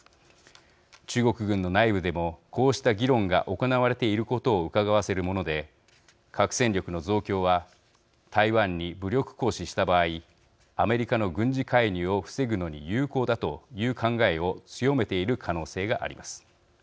中国軍の内部でもこうした議論が行われていることをうかがわせるもので核戦力の増強は台湾に武力行使した場合アメリカの軍事介入を防ぐのに有効だという考えを強めている可能性があります。